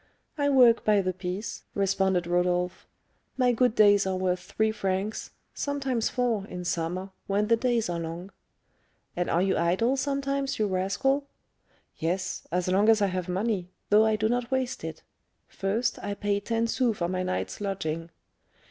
"I work by the piece," responded Rodolph; "my good days are worth three francs, sometimes four, in summer, when the days are long." "And you are idle sometimes, you rascal?" "Yes, as long as I have money, though I do not waste it. First, I pay ten sous for my night's lodging."